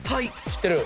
知ってる？